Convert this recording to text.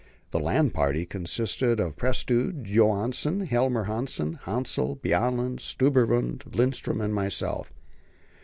The land party consisted of Prestrud, Johansen, Helmer Hanssen, Hassel, Bjaaland, Stubberud, Lindström, and myself.